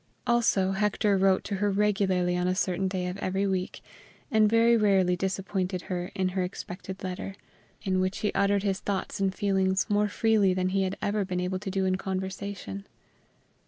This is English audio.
Also Hector wrote to her regularly on a certain day of every week, and very rarely disappointed her of her expected letter, in which he uttered his thoughts and feelings more freely than he had ever been able to do in conversation.